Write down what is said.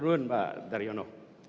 terima kasih pak daryono